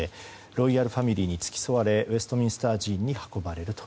ロイヤルファミリーに付き添われウェストミンスター寺院に運ばれると。